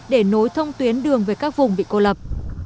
để nối thông tuyến đường về các vùng bị cô lập